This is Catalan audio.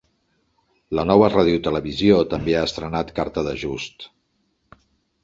La nova radiotelevisió també ha estrenat carta d’ajust.